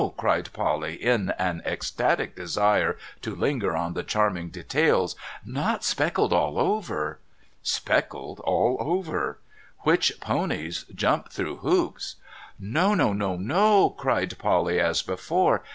cried Polly, in an ecstatic desire to linger on the charming details. ' Not speckled all over !'' Speckled all over. Which ponies jump through hoops ' 446 MUGBY JUNCTION ' No, no, NO !' cried Polly as before.